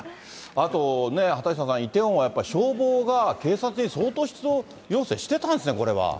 あと、畑下さん、イテウォンは消防が警察に相当出動要請してたんですね、これは。